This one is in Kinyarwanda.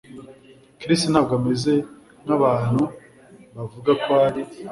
Chris ntabwo ameze nkabantu bavuga ko ari